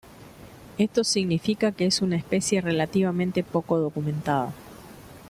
Esto significa que es una especie relativamente poco documentada.